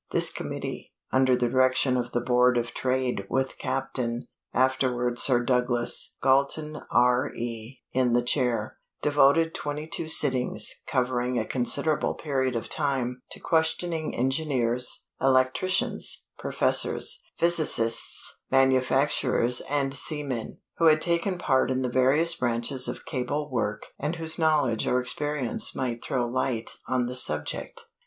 This committee under the direction of the Board of Trade, with Captain, afterward Sir Douglas, Galton, R.E., in the chair devoted twenty two sittings (covering a considerable period of time) to questioning engineers, electricians, professors, physicists, manufacturers, and seamen, who had taken part in the various branches of cable work and whose knowledge or experience might throw light on the subject.